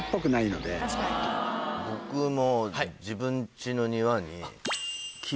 僕も。